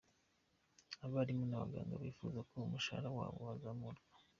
Abarimu n’abaganga bifuza ko umushahara wabo wazamurwa.